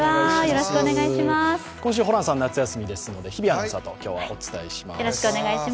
今週ホランさん、夏休みですので日比さんとお伝えします。